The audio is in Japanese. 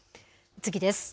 次です。